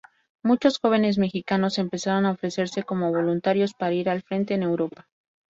Muchos jóvenes mexicanos empezaron a ofrecerse como voluntarios para ir al frente en Europa.